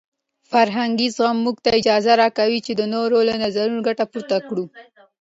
فرهنګي زغم موږ ته اجازه راکوي چې د نورو له نظرونو ګټه پورته کړو.